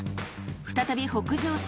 再び北上し